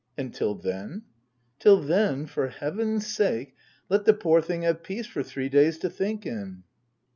" And till then ?"" Till then for Heaven's sake let the poor thing have peace for three days to think in."